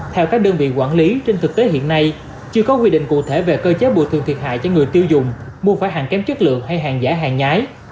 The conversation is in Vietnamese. theo các đơn vị quản lý trên thực tế hiện nay chưa có quy định cụ thể về cơ chế bộ thường thiệt hại cho người tiêu dùng mua phải hàng kém chất lượng hay hàng giả hàng nhái